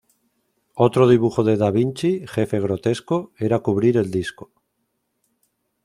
Otro dibujo de Da Vinci, "Jefe grotesco", era cubrir el disco.